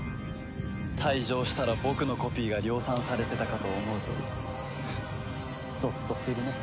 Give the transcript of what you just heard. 退場したら僕のコピーが量産されてたかと思うとゾッとするね。